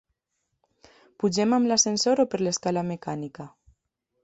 Pugem amb l'ascensor o per l'escala mecànica?